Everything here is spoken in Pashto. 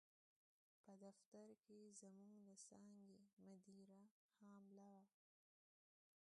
په دفتر کې زموږ د څانګې مدیره حامله وه.